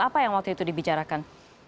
apa yang waktu itu dibicarakan